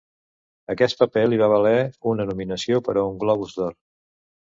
Aquest paper li va valer una nominació per a un Globus d'Or.